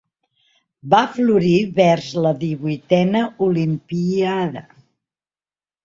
Va florir vers la divuitena olimpíada.